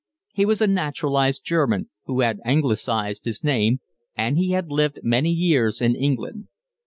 He was a naturalized German, who had anglicised his name, and he had lived many years in England.